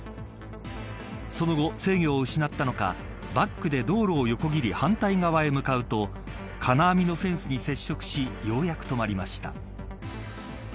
その後、制御を失ったのかバックで道路を横切り反対側へ向かうと金網のフェンスに接触しようやく止まりました。